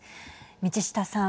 道下さん。